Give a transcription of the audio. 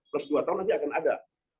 plus dua tahun nanti akan ada